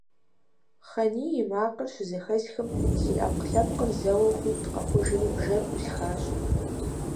Хъаний и макъыр щызэхэсхым, си Ӏэпкълъэпкъыр зэуэ хуит къэхъужри бжэр Ӏусхащ.